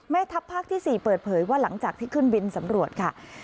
แม่ทัพภาคที่๔เปิดเผยว่าหลังจากที่ขึ้นบินสำรวจค่ะ